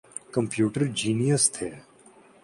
Computer genius تھے۔